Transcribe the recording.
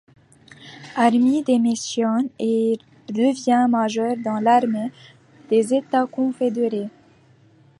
Army, démissionne et devient major dans l'Armée des États confédérés.